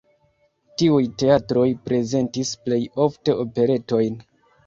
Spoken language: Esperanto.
Tiuj teatroj prezentis plej ofte operetojn.